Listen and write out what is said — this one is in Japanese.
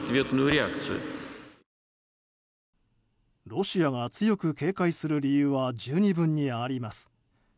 ロシアが強く警戒する理由は十二分にあります。